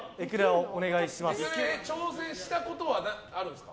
挑戦したことはあるんですか？